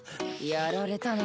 やられたな。